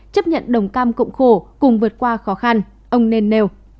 chấp nhận đồng cam cộng khổ cùng vượt qua khó khăn ông nên nêu